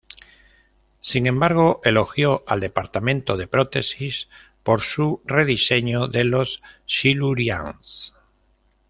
Sin embargo, elogió al departamento de prótesis por su rediseño de los Silurians.